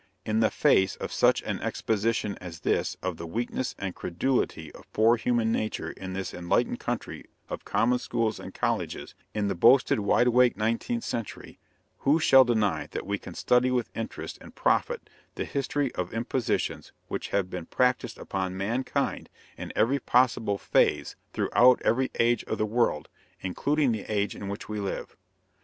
In the face of such an exposition as this of the weakness and credulity of poor human nature in this enlightened country of common schools and colleges, in the boasted wide awake nineteenth century, who shall deny that we can study with interest and profit the history of impositions which have been practiced upon mankind in every possible phase throughout every age of the world, including the age in which we live?